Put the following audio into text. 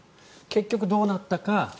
結局どうなったか。